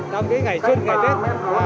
trong cái ngày xuân ngày tuyết và nhớ đến cha ông